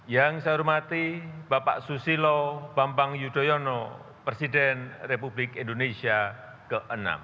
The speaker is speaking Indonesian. yang saya hormati bapak susilo bambang yudhoyono presiden republik indonesia ke enam